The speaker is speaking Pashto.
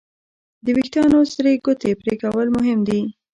د وېښتیانو سرې ګوتې پرېکول مهم دي.